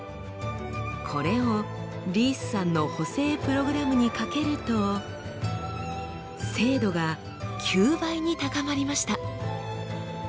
これをリースさんの補正プログラムにかけると精度が９倍に高まりました。